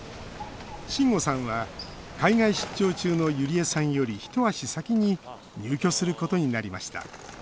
しんごさんは海外出張中のゆりえさんより一足先に入居することになりました